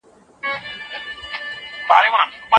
قبايلي ټولنه ارزښتونه لري.